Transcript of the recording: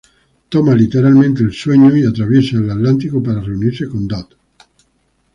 Toma literalmente el sueño y atraviesa el Atlántico para reunirse con Dodd.